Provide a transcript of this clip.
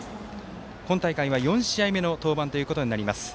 今大会は４試合目の登板となります。